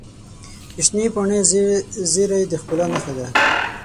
د شنې پاڼې زیرۍ د ښکلا نښه ده.